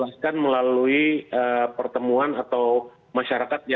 seperti itu mas